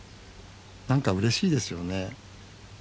何かうれしいですよね。